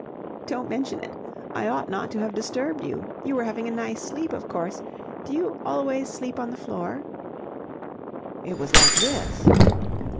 "Don't mention it. I ought not to have disturbed you. You were having a nice sleep, of course. Do you always sleep on the floor?" "It was like this..."